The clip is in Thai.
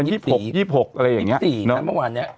อ่ายี่สิบหกยี่สิบหกอะไรอย่างเงี้ยยี่สิบสี่ทั้งประมาณเนี้ย